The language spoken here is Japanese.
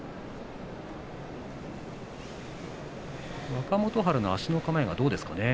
若元春の足の構えがどうですかね。